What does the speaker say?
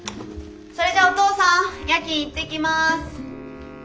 それじゃお父さん夜勤行ってきます。